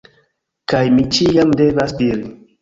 Kaj mi ĉiam devas diri